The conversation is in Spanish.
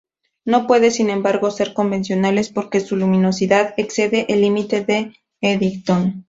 No pueden sin embargo ser convencionales porque su luminosidad excede el límite de Eddington.